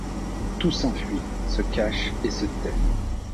Tout s'enfuit, se cache et se tait.